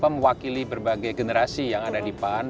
mewakili berbagai generasi yang ada di pan